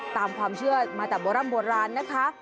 ตามความเชื่อมาแต่โบราณนะคะ